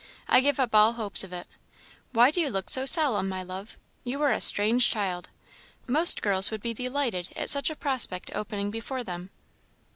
I give up all hopes of it. Why do you look so solemn, my love? You are a strange child; most girls would be delighted at such a prospect opening before them."